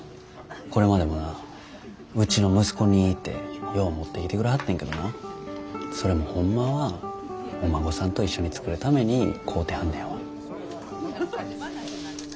これまでもなうちの息子にってよう持ってきてくれはってんけどなそれもホンマはお孫さんと一緒に作るために買うてはんねやわ。